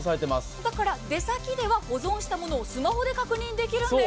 だから出先では保存したものをスマホで確認できるんです。